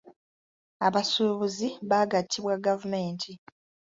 Abasuubuzi baagattibwa gavumenti.